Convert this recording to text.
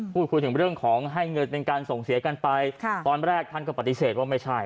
พูดถึงเรื่องของให้เงินเป็นการส่งเสียกันไปตอนแรกท่านก็ปฏิเสธว่าไม่ใช่